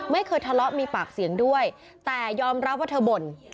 ไม่เคยทะเลาะมีปากเสียงด้วยแต่ยอมรับว่าเธอบ่น